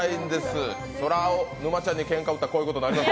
そりゃ、沼ちゃんにけんか売ったらこういうことになります。